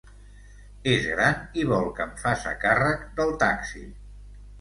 És gran i vol que em faça càrrec del taxi.